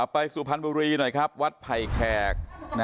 สุพรรณบุรีหน่อยครับวัดไผ่แขก